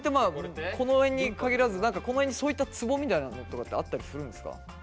この辺に限らず何かこの辺にそういったツボみたいなのとかってあったりするんですか？